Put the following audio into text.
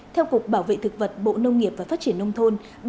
theo cục bảo vệ thực vật bộ nông nghiệp và phát triển nông thôn